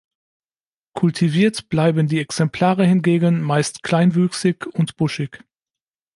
Kultiviert bleiben die Exemplare hingegen meist kleinwüchsig und buschig.